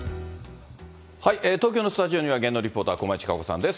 東京のスタジオには芸能リポーター、駒井千佳子さんです。